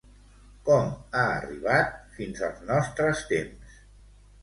Com ha arribat fins als nostres temps?